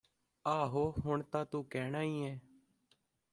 ਆਹੋ ਹੁਣ ਤਾਂ ਤੂੰ ਕਹਿਣਾ ਈ ਐਂ